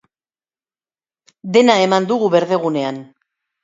Dena eman dugu berdegunean.